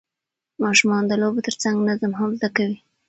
ماشومان د لوبو ترڅنګ نظم هم زده کوي